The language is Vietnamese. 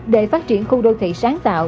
để phát triển khu đô thị sáng tạo